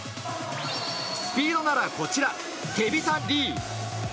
スピードならこちらテビタ・リー。